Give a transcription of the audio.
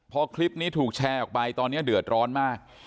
พอคลิปนี้ถูกแชร์ออกไปตอนนี้เดือดร้อนมาก